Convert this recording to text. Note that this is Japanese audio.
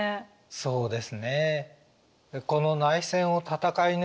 そうです。